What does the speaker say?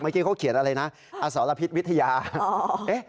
เมื่อกี้เขาเขียนอะไรนะอสรพิษวิทยา